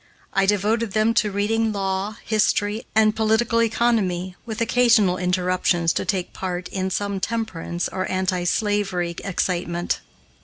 I devoted them to reading law, history, and political economy, with occasional interruptions to take part in some temperance or anti slavery excitement.